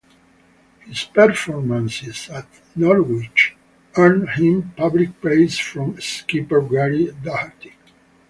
His performances at Norwich earned him public praise from skipper Gary Doherty.